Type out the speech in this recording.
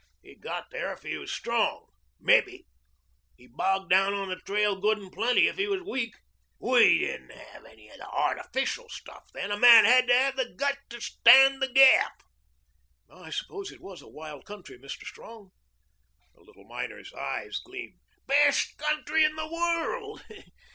He got there if he was strong mebbe; he bogged down on the trail good and plenty if he was weak. We didn't have any of the artificial stuff then. A man had to have the guts to stand the gaff." "I suppose it was a wild country, Mr. Strong." The little miner's eyes gleamed. "Best country in the world.